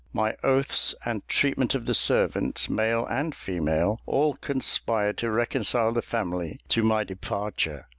My oaths and treatment of the servants, male and female, all conspired to reconcile the family to my departure.